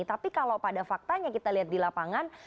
tapi kalau pada faktanya kita lihat di lapangan